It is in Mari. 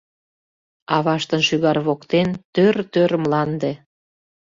Аваштын шӱгар воктен — тӧр-тӧр мланде.